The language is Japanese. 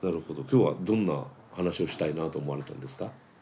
今日はどんな話をしたいなと思われたんですか？